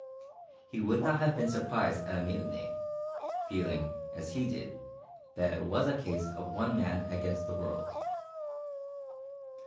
He would not have been surprised at a mutiny, feeling, as he did, that it was a case of one man against the world.